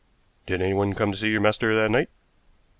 "Did anyone come to see your master that night?"